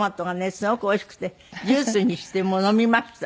すごくおいしくてジュースにして飲みました。